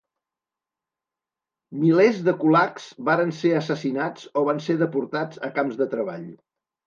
Milers de kulaks varen ser assassinats o van ser deportats a camps de treball.